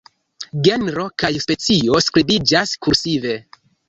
Genro kaj specio skribiĝas kursive.